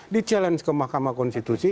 di challenge ke mahkamah konstitusi